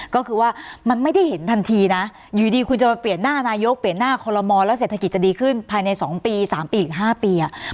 ก็คือว่ามันไม่ได้เห็นทันทีนะอยู่ดีคุณจะมาเปลี่ยนหน้านายกเปลี่ยนหน้าคอลโลมอลแล้วเศรษฐกิจจะดีขึ้นภายใน๒ปี๓ปีอีก๕ปี